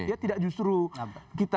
ya tidak justru kita